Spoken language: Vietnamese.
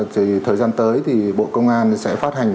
thì thời gian tới thì bộ công an sẽ phát hành